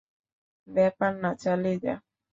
ব্যাপার না, চালিয়ে যা।